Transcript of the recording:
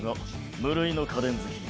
無類の家電好き。